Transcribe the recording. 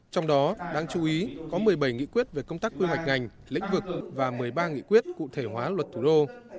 trong đó đáng chú ý có một mươi bảy nghị quyết về công tác quy hoạch ngành lĩnh vực và một mươi ba nghị quyết cụ thể hóa luật thủ đô